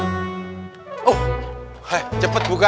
eh eh cepet buka